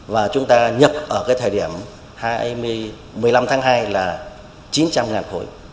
và chúng ta nhập ở cái thời điểm một mươi năm tháng hai là chín trăm linh khối